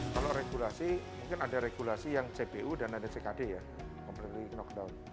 kalau regulasi mungkin ada regulasi yang cpu dan ada ckd ya kompetensi knockdown